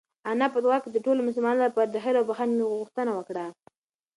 انا په دعا کې د ټولو انسانانو لپاره د خیر او بښنې غوښتنه وکړه.